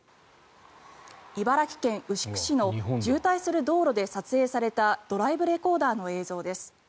茨城県牛久市の渋滞する道路で撮影されたドライブレコーダーの映像です。